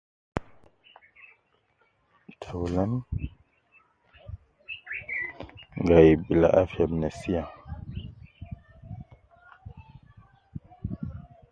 Taulan ,gai bila afiya ab nesiya